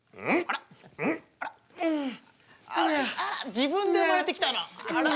自分で生まれてきたな。